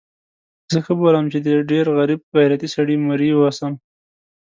زه ښه بولم چې د ډېر غریب غیرتي سړي مریی اوسم.